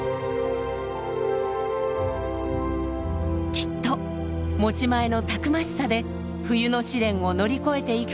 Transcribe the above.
きっと持ち前のたくましさで冬の試練を乗り越えていくことでしょう。